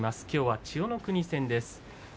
きょうは千代の国戦です。